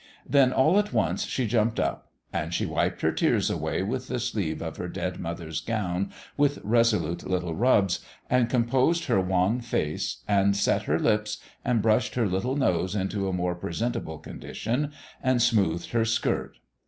Then all at once she jumped up ; and she wiped her tears away with the sleeve of her dead mother's gown, with resolute little rubs, and composed her wan face, and set her lips, and brushed her little nose into a more presentable condition, and smoothed her skirt.